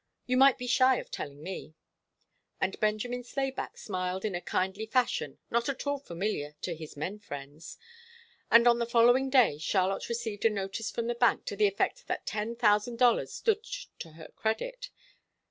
You might be shy of telling me." And Benjamin Slayback smiled in a kindly fashion not at all familiar to his men friends, and on the following day Charlotte received a notice from the bank to the effect that ten thousand dollars stood to her credit.